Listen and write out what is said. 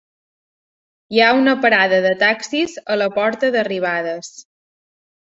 Hi ha una parada de taxis a la porta d'arribades.